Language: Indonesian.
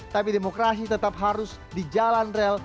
tapi demokrasi tetap harus di jalan rel